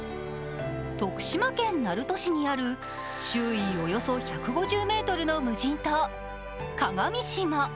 福島県鳴門市にある、周囲およそ１５０ｍの無人島、鏡島。